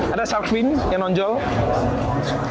ada shark fin yang nonjol